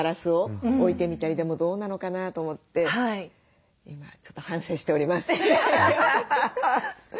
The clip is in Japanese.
でもどうなのかな？と思って今ちょっと反省しております。